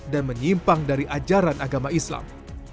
dan menyimpang dari ajaran agama islam